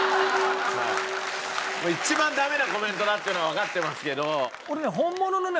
一番ダメなコメントだっていうのはわかってますけど。